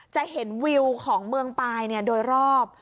จะเห็นวิวของเมืองปลายโดยรอบ